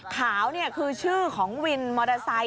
ขาวคือชื่อของวินมอเตอร์ไซค